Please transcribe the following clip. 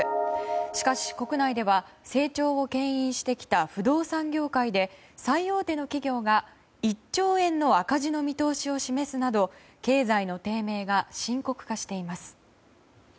しかし、国内では成長を牽引してきた不動産業界で最大手の企業が１兆円の赤字の見通しを示すなど経済の低迷が深刻化しています。